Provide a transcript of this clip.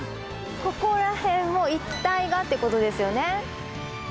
ここら辺もう一帯がってことですよね？